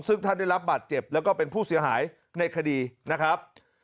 ซึ่งท่านได้รับบาดเจ็บแล้วก็เป็นผู้เสียหายในคดีนะครับ